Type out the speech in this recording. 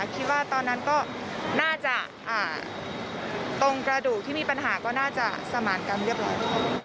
คิดว่าตอนนั้นก็น่าจะตรงกระดูกที่มีปัญหาก็น่าจะสมานกรรมเรียบร้อย